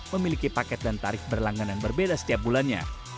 memiliki paket dan tarif berlangganan berbeda setiap bulannya